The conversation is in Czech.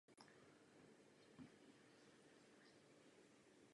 Všechny z nich jsou především lužní.